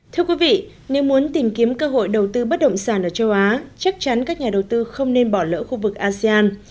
thưa quý vị nếu muốn tìm kiếm cơ hội đầu tư bất động sản ở châu á chắc chắn các nhà đầu tư không nên bỏ lỡ khu vực asean